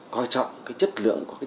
có trọng cái chất lượng của đất nước